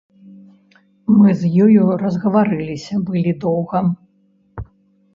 Мы з ёю разгаварыліся былі доўга.